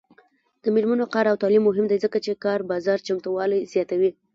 د میرمنو کار او تعلیم مهم دی ځکه چې کار بازار چمتووالي زیاتوي.